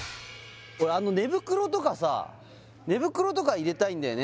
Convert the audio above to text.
俺寝袋とかさ寝袋とか入れたいんだよね